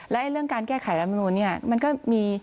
แล้วเรื่องการแก้ไขรันมนุษย์มันก็มี